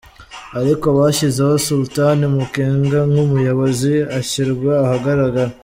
Ariko bashyizeho Sultani Makenga nk’umuyobozi ashyirwa ahagaragara.